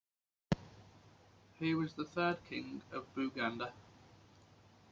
He was the third king of Buganda.